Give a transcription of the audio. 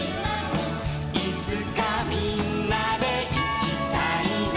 「いつかみんなでいきたいな」